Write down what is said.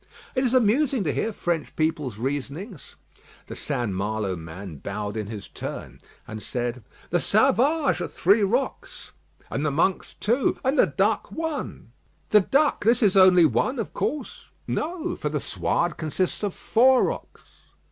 "It is amusing to hear French people's reasonings." The St. Malo man bowed in his turn, and said: "The Savages are three rocks." "And the Monks two." "And the Duck one." "The Duck; this is only one, of course." "No: for the Suarde consists of four rocks."